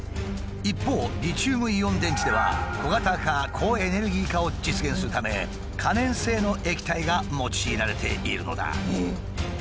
一方リチウムイオン電池では小型化高エネルギー化を実現するため可燃性の液体が用いられているのだ。